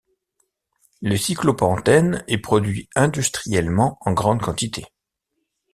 Le cyclopentène est produit industriellement en grandes quantités.